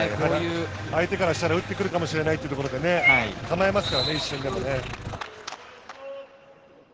相手からしたら打ってくるかもしれないというところでね、構えますからね一瞬でもね。